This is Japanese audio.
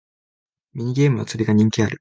ミニゲームの釣りが人気ある